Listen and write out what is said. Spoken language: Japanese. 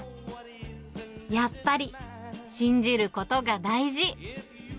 やっぱり信じることが大事。